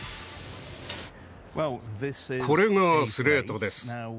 これがスレートです